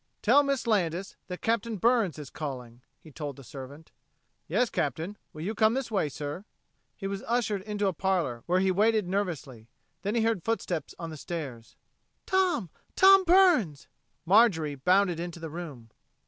"Tell Miss Landis that Captain Burns is calling," he told the servant. "Yes, Captain. Will you come this way, sir?" He was ushered into a parlor, where he waited nervously; then he heard footsteps on the stairs. "Tom Tom Burns!" Marjorie bounded into the room.